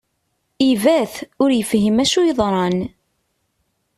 Ibat, ur yefhim acu yeḍran.